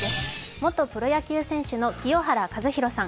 元プロ野球選手の清原和博さん。